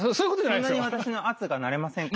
そんなに私の圧が慣れませんか？